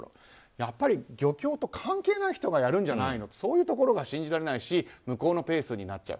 やっぱり漁協と関係ない人がやるんじゃないのそういうところが信じられないし向こうのペースになっちゃう。